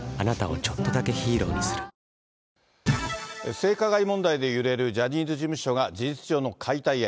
性加害問題で揺れるジャニーズ事務所が事実上の解体へ。